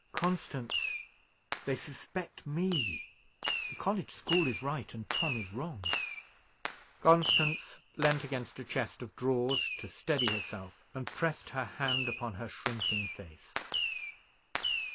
Constance, they suspect me. The college school is right, and Tom is wrong." Constance leaned against a chest of drawers to steady herself, and pressed her hand upon her shrinking face.